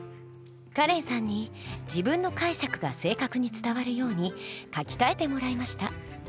カレンさんに自分の解釈が正確に伝わるように書き換えてもらいました。